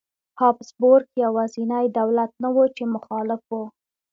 هابسبورګ یوازینی دولت نه و چې مخالف و.